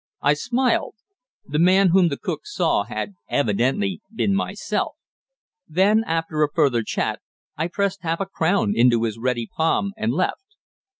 I smiled. The man whom the cook saw had evidently been myself. Then, after a further chat, I pressed half a crown into his ready palm and left.